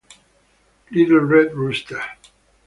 Little Red Rooster